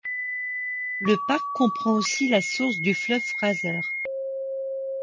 Le parc comprend aussi la source du fleuve Fraser.